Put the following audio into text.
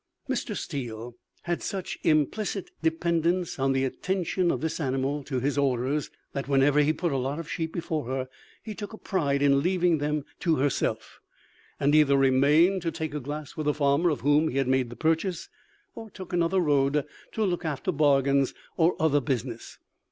"Mr. Steel had such implicit dependence on the attention of this animal to his orders, that, whenever he put a lot of sheep before her, he took a pride in leaving them to herself, and either remained to take a glass with the farmer of whom he had made the purchase, or took another road to look after bargains or other business.